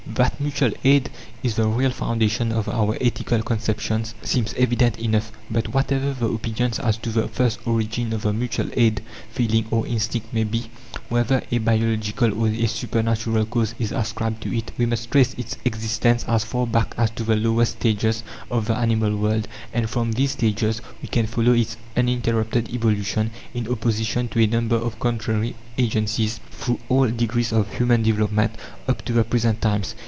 That mutual aid is the real foundation of our ethical conceptions seems evident enough. But whatever the opinions as to the first origin of the mutual aid feeling or instinct may be whether a biological or a supernatural cause is ascribed to it we must trace its existence as far back as to the lowest stages of the animal world; and from these stages we can follow its uninterrupted evolution, in opposition to a number of contrary agencies, through all degrees of human development, up to the present times.